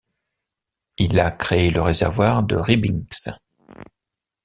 Il a créé le réservoir de Rybinsk.